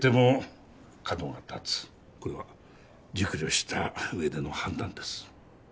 これは熟慮した上での判断です。